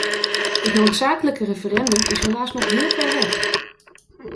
Het noodzakelijke referendum is helaas nog heel ver weg.